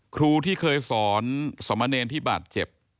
ครูที่เคยสอนสมเนรที่บาดเจ็บ